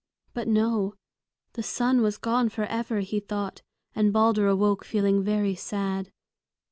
But no; the sun was gone forever, he thought; and Balder awoke feeling very sad.